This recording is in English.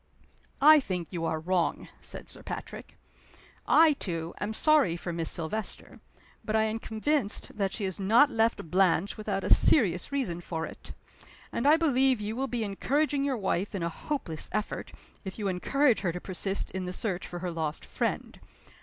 "I think you are wrong," said Sir Patrick. "I, too, am sorry for Miss Silvester. But I am convinced that she has not left Blanche without a serious reason for it. And I believe you will be encouraging your wife in a hopeless effort, if you encourage her to persist in the search for her lost friend.